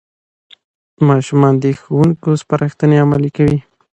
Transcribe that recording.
ماشومان د ښوونکو سپارښتنې عملي کوي